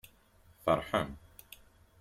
Tfeṛḥem.